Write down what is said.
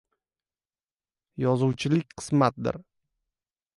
Yozuvchilik – qismatdir.